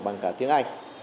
bằng cả tiếng anh